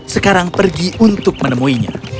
sekarang pergi untuk menemuinya